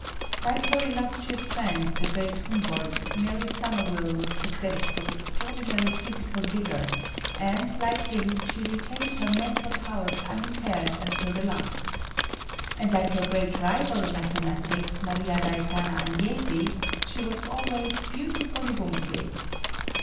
Like her illustrious friend, the great Humboldt, Mary Somerville was possessed of extraordinary physical vigor, and, like him, she retained her mental powers unimpaired until the last. And like her great rival in mathematics, Maria Gaetana Agnesi, she was always "beautifully womanly."